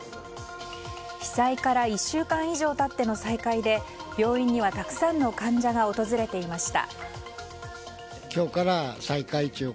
被災から１週間以上経っての再開で病院にはたくさんの患者が訪れていました。